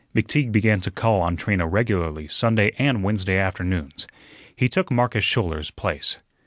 McTeague began to call on Trina regularly Sunday and Wednesday afternoons. He took Marcus Schouler's place.